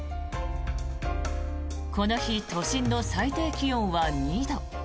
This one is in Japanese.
この日、都心の最低気温は２度。